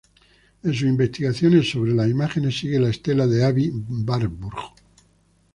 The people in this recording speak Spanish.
En sus investigaciones sobre las imágenes sigue la estela de Aby Warburg.